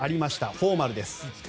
フォーマルです。